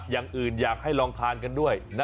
อย่างอื่นอยากให้ลองทานกันด้วยนะ